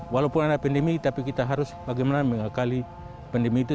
walaupun ada pandemi tapi kita harus bagaimana mengakali pandemi itu